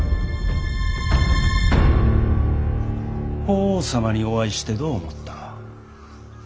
法皇様にお会いしてどう思った。